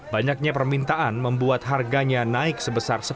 banyaknya permintaan membuat harganya naik sebesar sepuluh